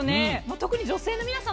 特に女性の皆さん